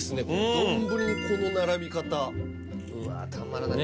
丼にこの並び方・うわたまらないねえ